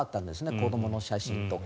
子どもの写真とか。